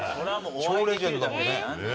伊達：超レジェンドだもんね。